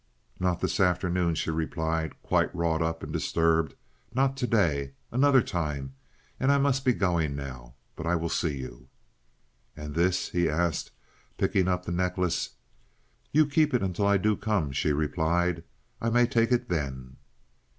"Not this afternoon," she replied, quite wrought up and disturbed. "Not to day. Another time. And I must be going now. But I will see you." "And this?" he asked, picking up the necklace. "You keep it until I do come," she replied. "I may take it then."